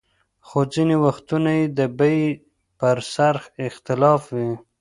خو ځینې وختونه یې د بیې پر سر اختلاف وي.